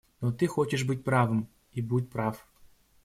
Но ты хочешь быть правым, и будь прав.